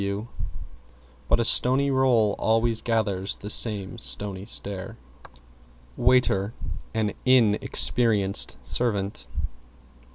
W But a stony roll always gathers the stony stare. =WAITER= An Inn experienced servant.